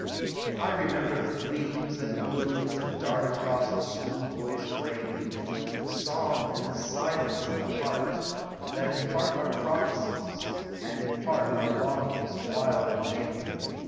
I remember the gleams and glooms that dart Across the school boy's brain ; The song and the silence in the heart, That in part are prophecies, and in part Are longings wild and vain.